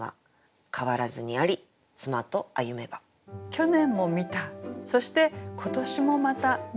去年も見たそして今年もまた見た。